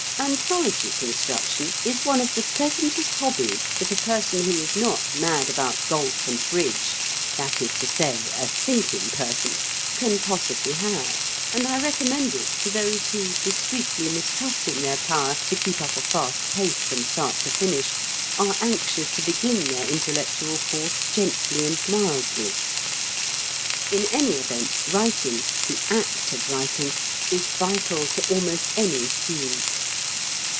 Anthology construction is one of the pleasantest hobbies that a person who is not mad about golf and bridge that is to say, a thinking person can possibly have; and I recommend it to those who, discreetly mistrusting their power to keep up a fast pace from start to finish, are anxious to begin their intellectual course gently and mildly. In any event, writing the act of writing is vital to almost any scheme.